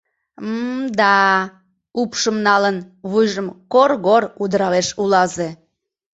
— М-мда! — упшым налын, вуйжым кор-гор удыралеш улазе.